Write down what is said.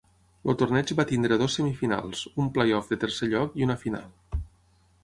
El torneig va tenir dues semifinals, un play-off de tercer lloc i una final.